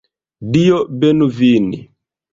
Dio benu vin.